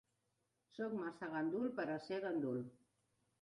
Soc massa gandul per a ser gandul.